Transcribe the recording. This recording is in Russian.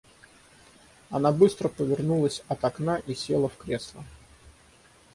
Она быстро повернулась от окна и села в кресла.